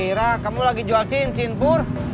saya kira kamu lagi jual cincin burr